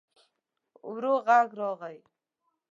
ورو غږ راغی.